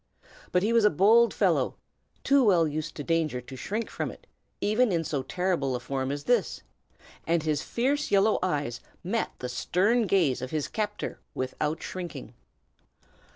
But he was a bold fellow, too well used to danger to shrink from it, even in so terrible a form as this; and his fierce yellow eyes met the stern gaze of his captor without shrinking.